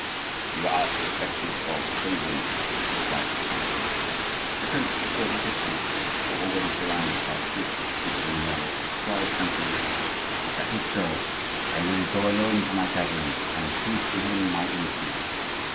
"You are suspected of treason," replied the chancellor. The prince, who saw that his suite were already surrounded by the troop of the Duc de Nemours, replied tranquilly: "If that is so, I will go alone to my cousin, and prove to him my innocence."